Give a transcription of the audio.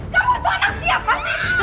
kamu itu anak siapa sih